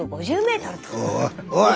おい！